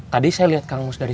hanya sesuatu yang seperti